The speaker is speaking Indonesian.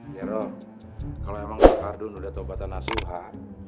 iya roh kalo emang bang kardun udah tobatan nasihat